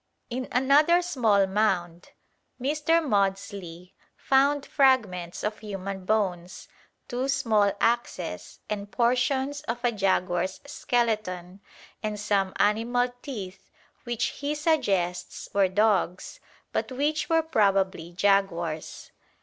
In another small mound Mr. Maudslay found fragments of human bones, two small axes, and portions of a jaguar's skeleton and some animal teeth which he suggests were dog's, but which were probably jaguar's.